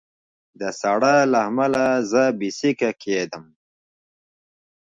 د ساړه له امله زه بې سېکه کېدم